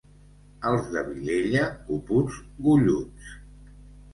Els de Vilella, puputs golluts.